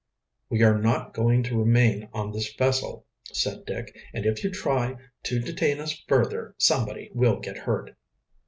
"We are not going to remain on this vessel," said Dick. "And if you try to detain us further somebody will get hurt."